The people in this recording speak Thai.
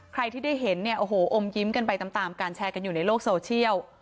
ใครที่ได้เห็นเนี่ยโอ้โหอมยิ้มกันไปตามการแชร์กันอยู่ในโลกโซเชียล